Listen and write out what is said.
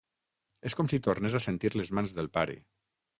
És com si tornés a sentir les mans del pare.